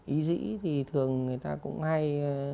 ý dĩ thì thường người ta cũng hay